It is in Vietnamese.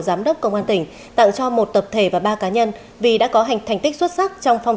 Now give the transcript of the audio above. giám đốc công an tỉnh tặng cho một tập thể và ba cá nhân vì đã có hành thành tích xuất sắc trong phong